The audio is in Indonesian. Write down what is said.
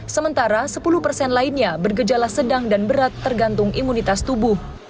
sementara sepuluh persen lainnya bergejala sedang dan berat tergantung imunitas tubuh